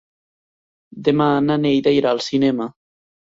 Demà na Neida irà al cinema.